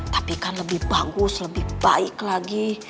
tapi kan lebih bagus lebih baik lagi